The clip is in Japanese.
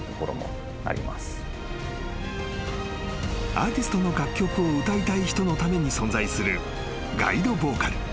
［アーティストの楽曲を歌いたい人のために存在するガイドボーカル。